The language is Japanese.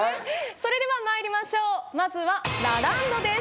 それではまいりましょうまずはラランドです